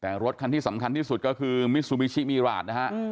แต่รถคันที่สำคัญที่สุดก็คือมิซูบิชิมีราชนะฮะ